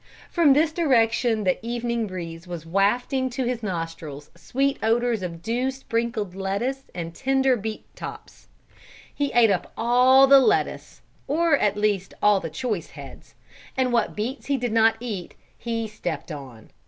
From this direction the evening breeze was wafting to his nostrils sweet odors of dew sprinkled lettuce and tender beet tops. He ate up all the lettuce, or at least all the choice heads, and what beets he did not eat, he stepped on.